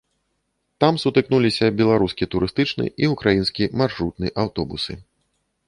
Там сутыкнуліся беларускі турыстычны і ўкраінскі маршрутны аўтобусы.